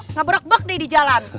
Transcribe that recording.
ngabrak bak deh di jalan